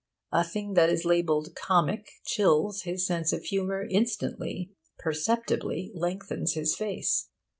A thing that is labelled 'comic' chills his sense of humour instantly perceptibly lengthens his face.